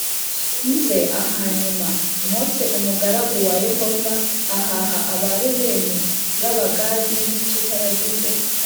Nze a hanyuma mose umugaragu wa yehova ahaha abarubeni b abagadi n igice cy abagize